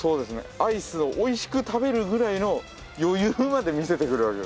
アイスをおいしく食べるぐらいの余裕まで見せてくれるわけですね。